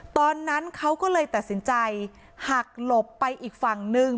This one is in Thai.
ตอนนั้นเขาก็เลยตัดสินใจหักหลบไปอีกฝั่งนึง